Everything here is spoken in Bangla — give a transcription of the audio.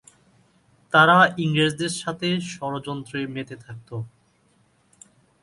তারা ইংরেজদের সাথে ষড়যন্ত্রে মেতে থাকত।